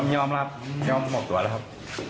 ยอมรับตัวแล้วครับ